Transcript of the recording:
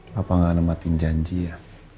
papa gak nembatin janji ya